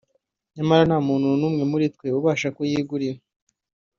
nyamara nta muntu muri twe ubasha kuyigurira”